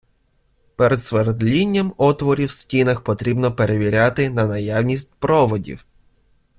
Перед свердлінням отворів в стінах потрібно перевіряти на наявність проводів.